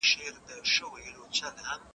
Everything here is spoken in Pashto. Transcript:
زه به له تا څخه د دې کار پوښتنه وکړم.